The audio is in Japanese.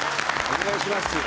お願いします。